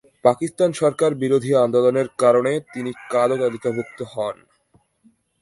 পাকিস্তান সরকার বিরোধী আন্দোলনের কারণে তিনি কালো তালিকাভুক্ত হন।